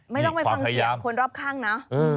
ไม่ต้องไปฟังเสียงคนรอบข้างเนอะ